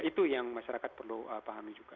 itu yang masyarakat perlu pahami juga